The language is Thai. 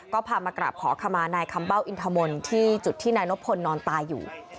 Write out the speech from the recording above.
ก็พามากราบขอขมานายคำเบ้าอินทมนต์ที่จุดที่นายนบพลนอนตายอยู่